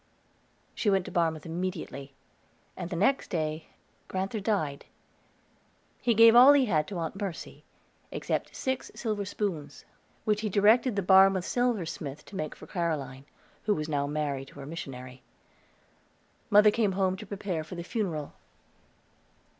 She went to Barmouth immediately, and the next day grand'ther died. He gave all he had to Aunt Mercy, except six silver spoons, which he directed the Barmouth silversmith to make for Caroline, who was now married to her missionary. Mother came home to prepare for the funeral.